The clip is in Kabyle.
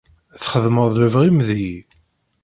Txedmeḍ lebɣi-m deg-i.